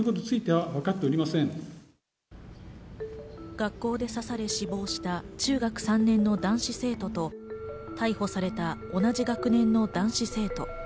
学校で刺され死亡した中学３年の男子生徒と逮捕された同じ学年の男子生徒。